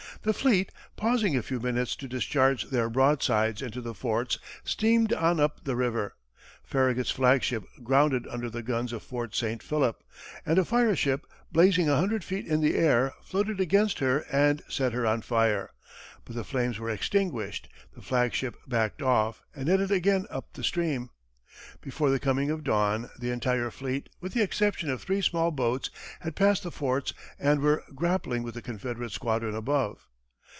The fleet, pausing a few minutes to discharge their broadsides into the forts, steamed on up the river; Farragut's flagship grounded under the guns of Fort St. Philip, and a fireship, blazing a hundred feet in the air, floated against her and set her on fire, but the flames were extinguished, the flagship backed off, and headed again up the stream. Before the coming of dawn, the entire fleet, with the exception of three small boats, had passed the forts and were grappling with the Confederate squadron above.